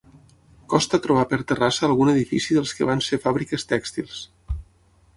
Costa trobar per Terrassa algun edifici dels que van ser fàbriques tèxtils.